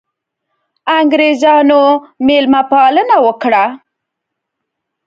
انګرېزانو مېلمه پالنه وکړه.